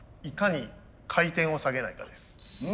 いかに回転を下げないかです。